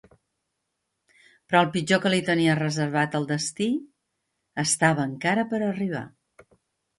Però el pitjor que li tenia reservat el destí estava encara per arribar.